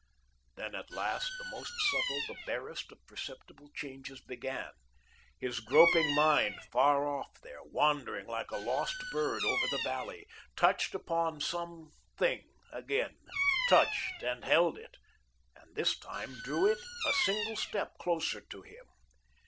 Then, at last, the most subtle, the barest of perceptible changes began. His groping mind far off there, wandering like a lost bird over the valley, touched upon some thing again, touched and held it and this time drew it a single step closer to him.